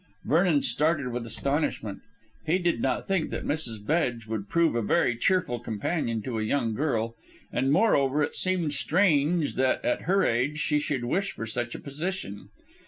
Vernon started with astonishment. He did not think that Mrs. Bedge would prove a very cheerful companion to a young girl, and moreover it seemed strange that, at her age, she should wish for such a position.